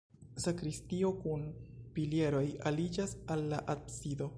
Sakristio kun pilieroj aliĝas al la absido.